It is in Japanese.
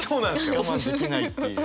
我慢できないっていう。